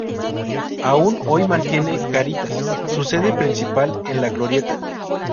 Aún hoy mantiene Cáritas su sede principal en La Glorieta.